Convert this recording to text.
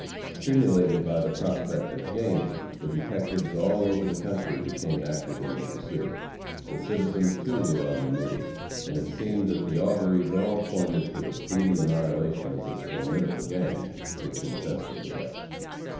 Stimulated by the prospect of gain, the detectives all over the country became active in the pursuit. The citizens, too, were on the move, and it seemed that the auguries all pointed to a speedy annihilation of this formidable gang which infested the West.